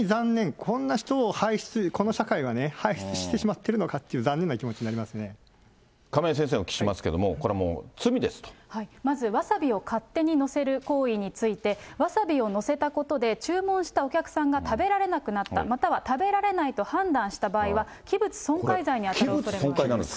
こんな人を輩出する、この社会は輩出してしまっているのかっていう、残念な気持ちにな亀井先生にお聞きしますけれども、これもう、まず、わさびを勝手に載せる行為について、わさびを載せたことで注文したお客さんが食べられなくなった、または食べられないと判断した場合は、器物損壊罪に器物損壊になるんですか？